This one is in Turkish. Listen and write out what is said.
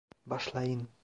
Başlayın!